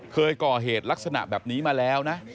เคยก่อเหตุลักษณะแบบนี้มาแล้วนะ